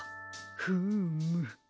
フーム。